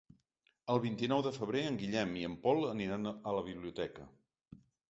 El vint-i-nou de febrer en Guillem i en Pol aniran a la biblioteca.